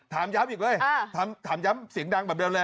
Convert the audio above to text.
ถามย้ำอีกเว้ยถามย้ำเสียงดังแบบเร็วเลย